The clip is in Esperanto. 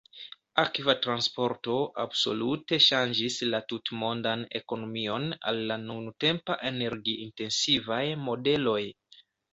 Akva transporto absolute ŝanĝis la tutmondan ekonomion al la nuntempa energi-intensivaj modeloj.